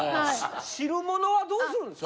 汁物はどうするんですか？